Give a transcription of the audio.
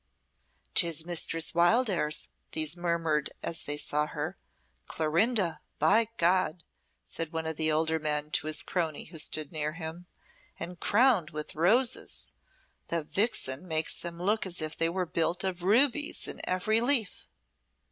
"'Tis Mistress Wildairs," these murmured as they saw her. "Clorinda, by God!" said one of the older men to his crony who stood near him. "And crowned with roses! The vixen makes them look as if they were built of rubies in every leaf."